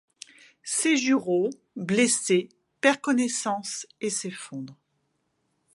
Seijûrô, blessé, perd connaissance et s'effondre.